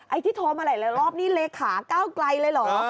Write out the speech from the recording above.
อ๋อไอ้ที่โทรมาหลายรอบนี้เลขาก้าวไกลเลยเหรอ